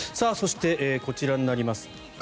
そして、こちらになります。